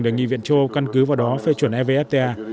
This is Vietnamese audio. để nghị viện châu âu căn cứ vào đó phê chuẩn evfta